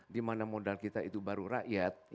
dimana modal kita itu baru rakyat